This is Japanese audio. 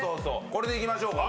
これでいきましょうか。